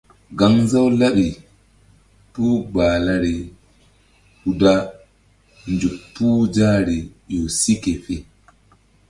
Gaŋnzaw laɓi puh Gahlari hu da nzuk puh zahri ƴo si ke fe.